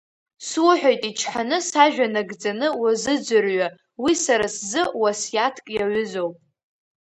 Суҳәоит, ичҳаны сажәа нагӡаны уазыӡырҩы, уи сара сзы уасиаҭк иаҩызоуп.